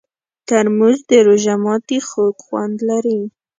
ترموز د روژه ماتي خوږ خوند لري.